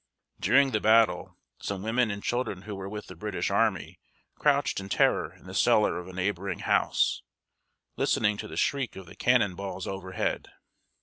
During the battle, some women and children who were with the British army crouched in terror in the cellar of a neighboring house, listening to the shriek of the cannon balls overhead.